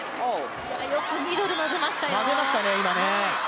よくミドル混ぜましたよ。